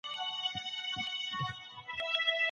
پلار د اولادونو د زړونو پاچا دی.